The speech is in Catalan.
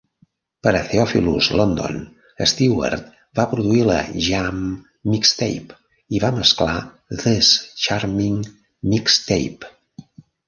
Per a Theophilus London, Stewart va produir la Jam Mixtape i va mesclar This Charming Mixtape.